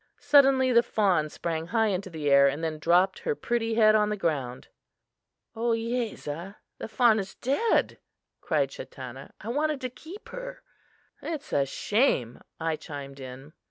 Suddenly the fawn sprang high into the air and then dropped her pretty head on the ground. "Ohiyesa, the fawn is dead," cried Chatanna. "I wanted to keep her." "It is a shame;" I chimed in.